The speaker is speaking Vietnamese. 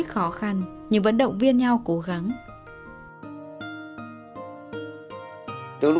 trồng rừng làm trang trại